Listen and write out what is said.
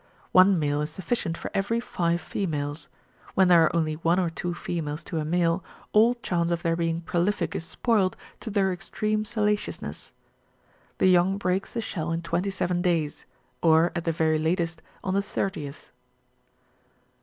One male is sufficient for every fi.ve females ; when there are only one or two females to a male, all chance of their being prolific is spoilt through their extreme salaciousness. The young breaks the shell in twenty seven days, or, at the very latest, on the thirtieth.